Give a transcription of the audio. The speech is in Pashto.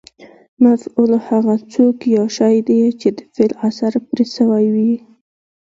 مفعول هغه څوک یا شی دئ، چي د فعل اثر پر سوی يي.